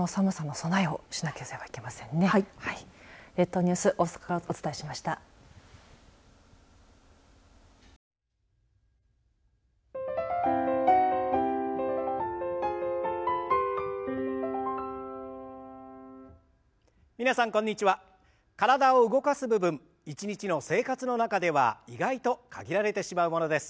体を動かす部分一日の生活の中では意外と限られてしまうものです。